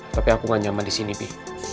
tapi aku gak nyaman disini bi